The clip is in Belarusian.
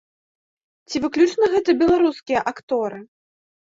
Ці выключна гэта беларускія акторы?